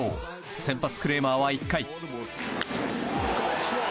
先発クレーマーは１回。